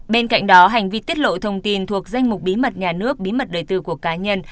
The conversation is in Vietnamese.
bên cạnh đó hành vi tiết lộ thông tin thuộc danh mục bí mật nhà nước bí mật đời tư của cá nhân